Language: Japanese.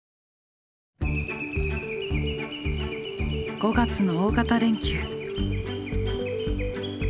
５月の大型連休。